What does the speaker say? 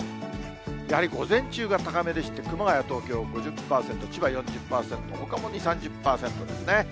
やはり午前中が高めでして、熊谷、東京５０％、千葉４０％、ほかも２、３０％ですね。